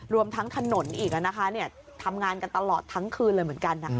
รวมทั้งถนนอีกอ่ะนะคะเนี่ยทำงานกันตลอดทั้งคืนเลยเหมือนกันอ่ะ